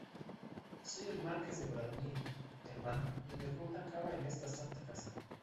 soy el Marqués de Bradomín, hermana, y mi ruta acaba en esta santa casa.